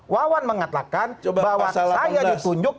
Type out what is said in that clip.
wawan mengatakan bahwa saya ditunjuk